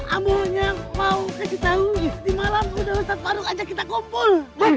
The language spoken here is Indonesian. amalnya mau kita di malam ustadz faruk ajak kita kumpul